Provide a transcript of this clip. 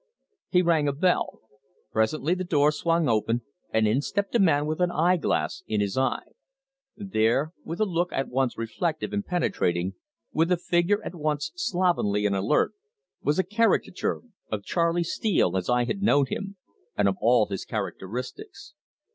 He rang a bell. Presently the door swung open and in stepped a man with an eyeglass in his eye. There, with a look at once reflective and penetrating, with a figure at once slovenly and alert, was a caricature of Charley Steele as I had known him, and of all his characteristics.